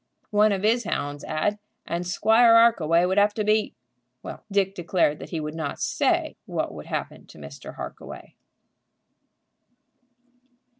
One of 'is 'ounds 'ad, and Squire 'Arkaway would have to be " Well, Dick declared that he would not say what would happen to Mr. Harkaway.